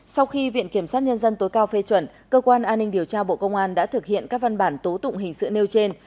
sau khi viện kiểm sát nhân dân tối cao phê chuẩn cơ quan an ninh điều tra bộ công an đã thực hiện các văn bản tố tụng hình sự nêu trên